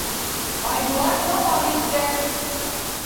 Айбулат дауам итте: